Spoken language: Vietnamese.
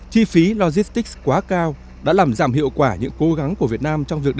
chi phí logistics quá cao đã làm giảm hiệu quả những cố gắng của việt nam trong việc